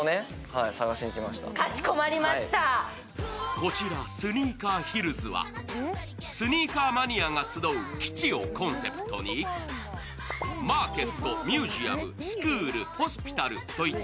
こちらスニーカーヒルズは、スニーカーマニアが集う基地をコンセプトにマーケット、ミュージアム、スクール、ホスピタルといった